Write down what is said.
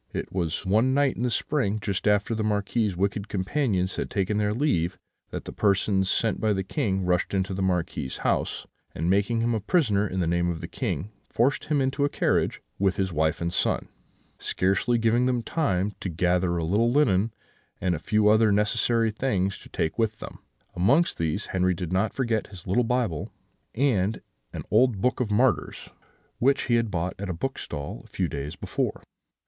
It was one night in the spring, just after the Marquis's wicked companions had taken their leave, that the persons sent by the King rushed into the Marquis's house, and making him a prisoner in the name of the King, forced him into a carriage, with his wife and son, scarcely giving them time to gather together a little linen, and a few other necessary things, to take with them: amongst these, Henri did not forget his little Bible, and an old Book of Martyrs, which he had bought at a bookstall a few days before.